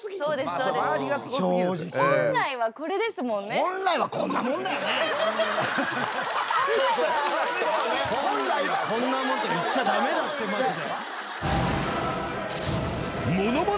「本来はこんなもん」とか言っちゃ駄目だってマジで。